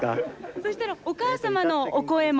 そしたらお母様のお声も。